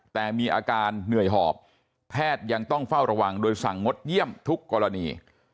แต่มีอาการเหนื่อยหอบแพทย์ยังต้องเฝ้าระวังโดยสั่งงดเยี่ยมทุกกรณี